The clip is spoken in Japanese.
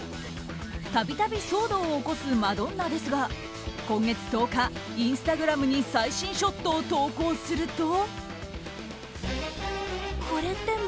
度々、騒動を起こすマドンナですが今月１０日、インスタグラムに最新ショットを投稿すると。